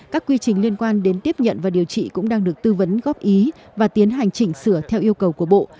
các quy trình liên quan đến tiếp nhận và điều trị cũng đang được tư vấn góp ý và tiến hành chỉnh sửa theo yêu cầu của bộ